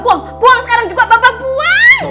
buang buang sekarang juga bapak buang